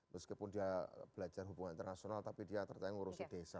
meskipun dia belajar hubungan internasional tapi dia tertanggung urus ke desa